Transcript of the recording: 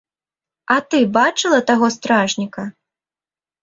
А ты бачыла таго стражніка?